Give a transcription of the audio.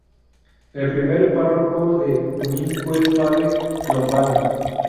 El primer párroco de Junín fue el padre Lombana.